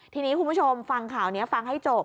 ทีนี้คุณผู้ชมฟังข่าวนี้ฟังให้จบ